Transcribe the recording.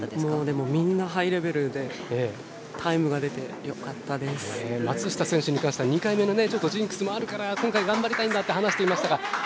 もうでもみんなハイレベルでタイムが出て松下選手に関しては２回目のジンクスもあるから今回頑張りたいと話していましたが。